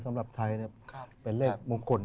สำหรับไทยเป็นเลขมงคล